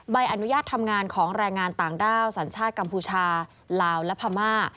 ใบอนุญาตทำงานของแรงงานต่างด้าวสัญชาติกัมพูชาลาวและพม่า